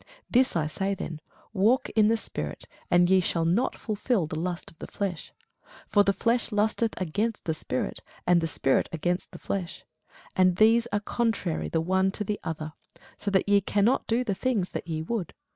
This I say then, Walk in the Spirit, and ye shall not fulfil the lust of the flesh. For the flesh lusteth against the Spirit, and the Spirit against the flesh: and these are contrary the one to the other: so that ye cannot do the things that ye would.